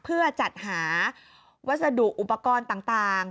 เพื่อจัดหาวัสดุอุปกรณ์ต่าง